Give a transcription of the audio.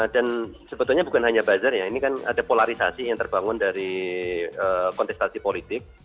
dan sebetulnya bukan hanya buzzer ya ini kan ada polarisasi yang terbangun dari kontestasi politik